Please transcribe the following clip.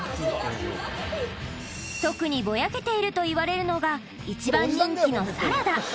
特にぼやけているといわれるのが一番人気のサラダ